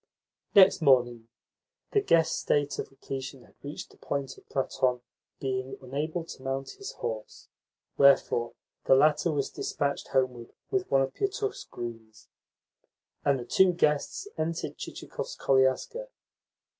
Next morning the guest's state of repletion had reached the point of Platon being unable to mount his horse; wherefore the latter was dispatched homeward with one of Pietukh's grooms, and the two guests entered Chichikov's koliaska.